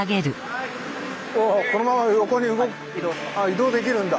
移動できるんだ。